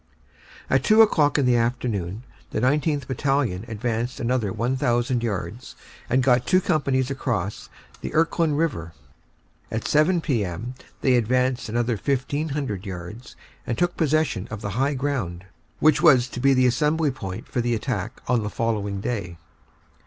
At two o clock in the afternoon the 19th. Battalion advanced another 1,000 yards and got two companies across the Erclin river. At 7 p.m. they advanced another 1,500 yards, and took possession of the high ground, which was to be the assembly point for the attack on the following day.